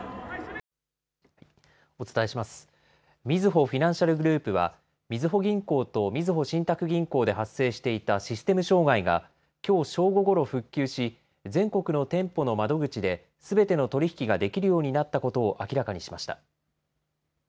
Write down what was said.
みずほフィナンシャルグループはみずほ銀行とみずほ信託銀行で発生していたシステム障害がきょう正午ごろ復旧し全国の店舗の窓口ですべての取り引きができるようになったことを明らかにしました。